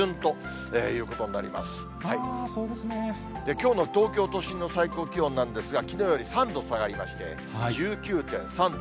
きょうの東京都心の最高気温なんですが、きのうより３度下がりまして、１９．３度。